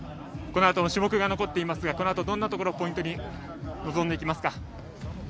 このあと種目が残っていますがどんなところをポイントに臨んでいきますか。